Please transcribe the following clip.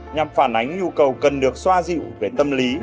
nhằm phản ánh nhu cầu cần được xoa dịu về tâm lý